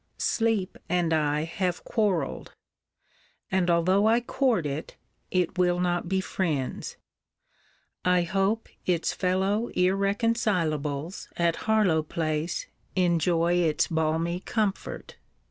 Sleep and I have quarreled; and although I court it, it will not be friends. I hope its fellow irreconcilables at Harlowe place enjoy its balmy comforts.